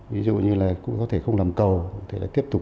ví dụ như là cũng có thể không làm cầu